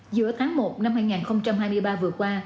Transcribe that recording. giữa tháng một năm hai nghìn hai mươi ba vừa qua